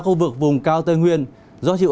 khu vực vùng cao tây nguyên do chịu